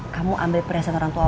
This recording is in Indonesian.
kamu ambil perasaan orang tua